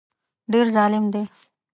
ډېر ظالم دی.